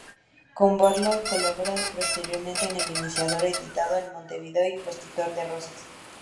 Corvalán colaboró posteriormente en "El Iniciador", editado en Montevideo y opositor a Rosas.